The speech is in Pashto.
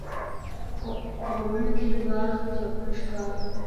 په غرونو کې د باز وزرونه ښکاري.